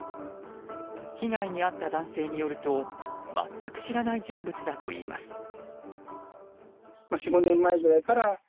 被害に遭った男性によると全く知らない人物だといいます。